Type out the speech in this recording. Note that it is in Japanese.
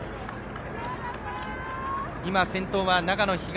先頭は長野東。